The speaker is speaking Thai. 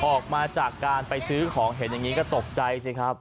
ออกมาจากการไปซื้อของเห็นอย่างนี้ก็ตกใจสิครับ